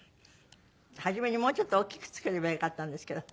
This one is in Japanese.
初めにもうちょっと大きく作ればよかったんですけど。